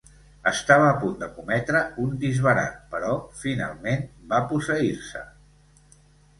Estava a punt de cometre un disbarat però finalment va posseir-se.